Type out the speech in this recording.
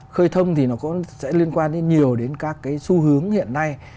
khơi thông thì nó sẽ liên quan đến nhiều đến các cái xu hướng hiện nay